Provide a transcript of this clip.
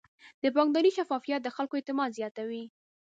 د بانکداري شفافیت د خلکو اعتماد زیاتوي.